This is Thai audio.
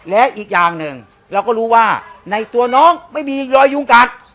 และอีกอย่างหนึ่งเราก็รู้ว่าในตัวน้องไม่มีรอยยุงกัด